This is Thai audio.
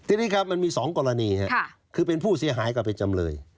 ทีนี้ครับมันมี๒กรณีคือเป็นผู้เสียหายกับเป็นจำเลย